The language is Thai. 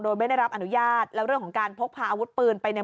โดยไม่ได้รับอนุญาตแล้วเรื่องของการพกพาอาวุธปืนไปใน